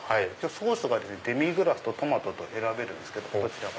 ソースがデミグラスとトマト選べるんですけど。